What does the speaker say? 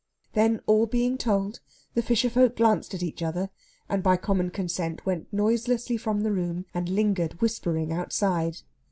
Then, all being told, the fisher folk glanced at each other, and by common consent went noiselessly from the room and lingered whispering outside.